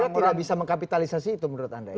anda tidak bisa mengkapitalisasi itu menurut anda ya